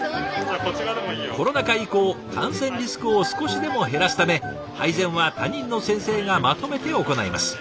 コロナ禍以降感染リスクを少しでも減らすため配膳は担任の先生がまとめて行います。